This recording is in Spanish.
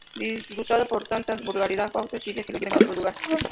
Disgustado por tanta vulgaridad, Fausto exige que lo lleven a otro lugar.